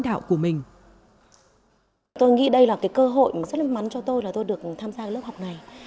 tôi nghĩ đây là cái cơ hội rất là mắn cho tôi là tôi được tham gia lớp học này